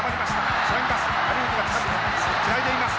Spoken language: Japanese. つないでいます。